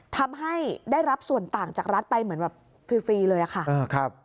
ทำให้ได้รับส่วนต่างจากรัฐไปเหมือนแบบฟรีเลยค่ะ